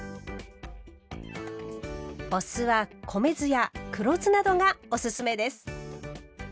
お酢は米酢や黒酢などがおすすめです。